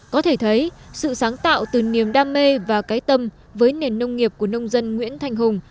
có thể thấy sự sáng tạo từ niềm đam mê và cái tâm với nền nông nghiệp của nông dân nguyễn thanh hùng